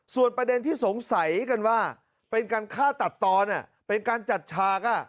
ส่วนประเด็นที่สงสัยกันว่าเป็นการฆ่าตัดตอนเป็นการจัดฉาก